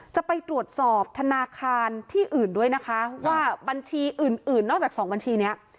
จะไปตรวจสอบธนาคารที่อื่นด้วยนะคะว่าบัญชีอื่นนอกจากสองบัญชีนี้